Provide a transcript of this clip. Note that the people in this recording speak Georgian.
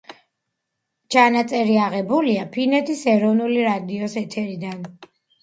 ჩანაწერი აღებულია ფინეთის ეროვნული რადიოს ეთერიდან.